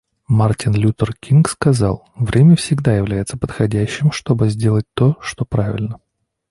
Мартин Лютер Кинг сказал: «Время всегда является подходящим, чтобы сделать то, что правильно».